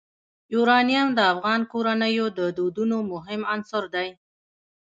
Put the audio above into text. یورانیم د افغان کورنیو د دودونو مهم عنصر دی.